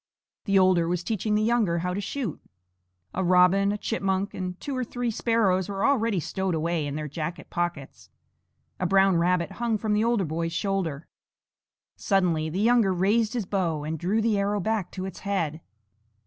The older was teaching the younger how to shoot. A robin, a chipmunk, and two or three sparrows were already stowed away in their jacket pockets; a brown rabbit hung from the older boy's shoulder. Suddenly the younger raised his bow and drew the arrow back to its head.